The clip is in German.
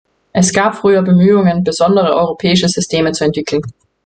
Es gab früher Bemühungen, besondere europäische Systeme zu entwickeln.